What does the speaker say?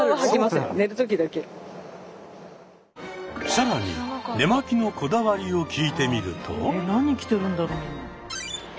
更に寝巻きのこだわりを聞いてみると。